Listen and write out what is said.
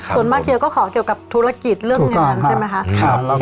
ส่วนมากเกียร์ก็ขอเกี่ยวกับธุรกิจเรื่องงานใช่ไหมคะ